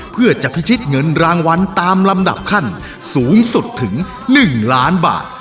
เพื่อจะพิชิตเงินรางวัลตามลำดับขั้นสูงสุดถึง๑ล้านบาท